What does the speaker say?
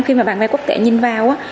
khi mà bàn vai quốc tế nhìn vào